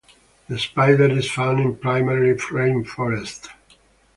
The spider is found in primary rainforest.